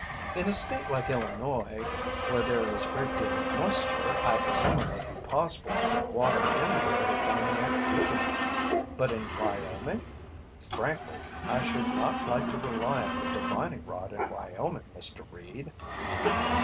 "In a state like Illinois where there is a great deal of moisture I presume it would be possible to get water anywhere if one went deep enough, but in Wyoming frankly, I should not like to rely on the divining rod in Wyoming, Mr. Reed."